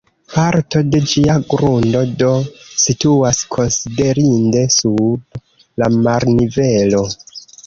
Parto de ĝia grundo do situas konsiderinde sub la marnivelo.